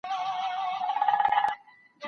څوک د بهرنیو کارګرانو ملاتړ کوي؟